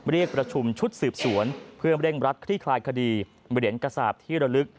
เรียกประชุมชุดสืบสวนเพื่อเร่งรัดคลี่คลายคดีเหรียญกระสาปที่ระลึก